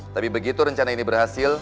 tapi begitu rencana ini berhasil